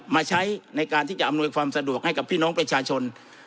มาใช้ในการที่จะอำนวยความสะดวกให้กับพี่น้องประชาชน